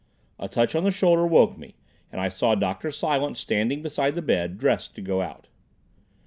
A touch on the shoulder woke me, and I saw Dr. Silence standing beside the bed, dressed to go out.